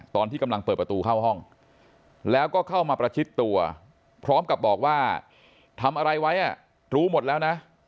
ตอนที่กำลังเปิดประตูเข้าห้องแล้วก็เข้ามาประชิดตัวพร้อมกับบอกว่าทำอะไรไว้รู้หมดแล้วนะ